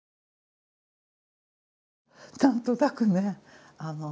何となくね